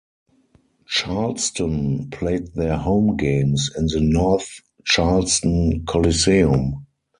Charleston played their home games in the North Charleston Coliseum.